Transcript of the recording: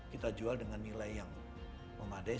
kita jual dengan nilai yang memadai